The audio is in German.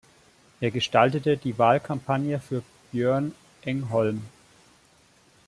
Er gestaltete die Wahlkampagne für Björn Engholm.